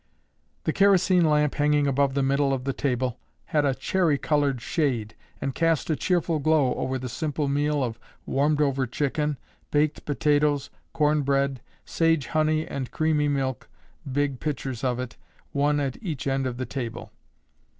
The kerosene lamp hanging above the middle of the table had a cherry colored shade and cast a cheerful glow over the simple meal of warmed over chicken, baked potatoes, corn bread, sage honey and creamy milk, big pitchers of it, one at each end of the table.